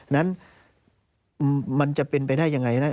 นั้นมันจะเป็นไปได้ยังไงนะ